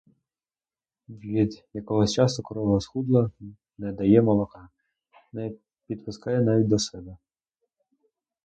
Від якогось часу корова схудла, не дає молока, не підпускає навіть до себе.